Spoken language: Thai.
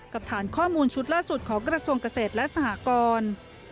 ฐานข้อมูลชุดล่าสุดของกระทรวงเกษตรและสหกร